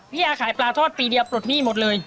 พี่อาขายปลาทอดปีเดียวปลดหนี้หมดเลย